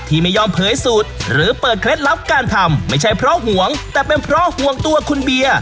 ที่ไม่ยอมเผยสูตรหรือเปิดเคล็ดลับการทำไม่ใช่เพราะห่วงแต่เป็นเพราะห่วงตัวคุณเบียร์